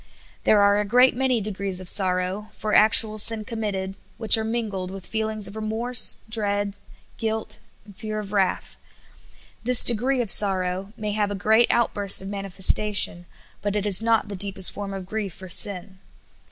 There are a great man}' degrees of sorrow for act ual sin committed which are mingled with feelings of remorse, dread, guilt, fear of wrath. This degree of 6o SOUL FOOD. sorrow may have a great outburst of manifestation, but it is not the deepest form of grief for sin.